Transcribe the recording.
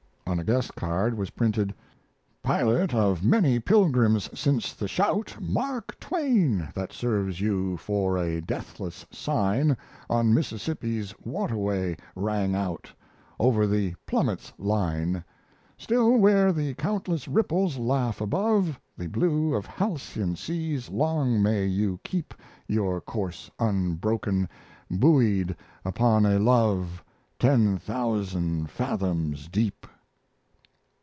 On a guest card was printed: Pilot of many Pilgrims since the shout "Mark Twain!" that serves you for a deathless sign On Mississippi's waterway rang out Over the plummet's line Still where the countless ripples laugh above The blue of halcyon seas long may you keep Your course unbroken, buoyed upon a love Ten thousand fathoms deep!